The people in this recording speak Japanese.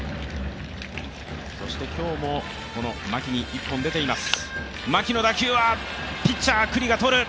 そして今日もこの牧に１本出ています。